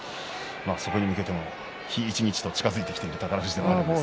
そこに向けても一日一日と近づいてきている宝富士です。